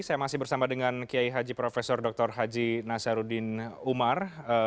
saya masih bersama dengan kiai haji prof dr haji nasaruddin umar